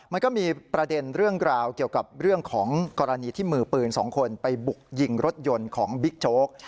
มันก็มีประเด็นเรื่องราวเกี่ยวกับเรื่องของกรณีที่มือปืน๒คนไปบุกยิงรถยนต์ของบิ๊กโจ๊ก